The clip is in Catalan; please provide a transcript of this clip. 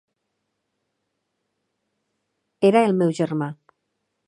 Era el meu germà.